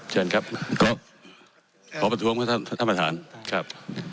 เชิญครับครับขอปฐวมมาท่านประหารครับ